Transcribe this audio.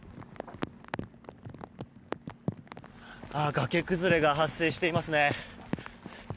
崖崩れが発生しています。